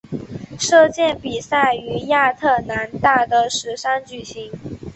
射箭比赛于亚特兰大的石山举行。